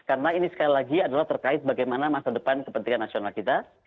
karena ini sekali lagi adalah terkait bagaimana masa depan kepentingan nasional kita